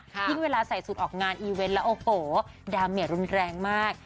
ยิ่งเวลาใส่สูตรออกงานอีเวนต์แล้วโอ้โหดาเมียรุนแรงมาก